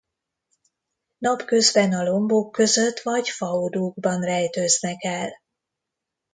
Napközben a lombok között vagy faodúkban rejtőznek el.